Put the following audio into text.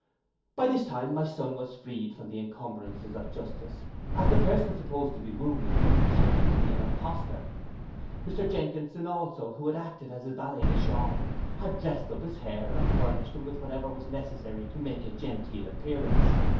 But by this time my son was freed from the encumbrances of justice as the person supposed to be wounded was detected to be an impostor. Mr Jenkinson also, who had acted as his valet de chambre, had dressed up his hair, and furnished him with whatever was necessary to make a genteel appearance.